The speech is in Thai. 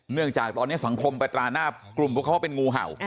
เนื่องจากตอนนี้สังคมประตารหน้ากลุ่มเขาเป็นงูเห่า